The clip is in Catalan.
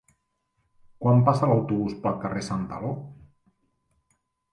Quan passa l'autobús pel carrer Santaló?